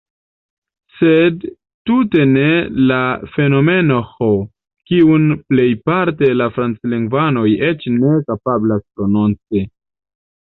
Sed tute ne la fonemon Ĥ, kiun plejparte la franclingvanoj eĉ ne kapablas prononci.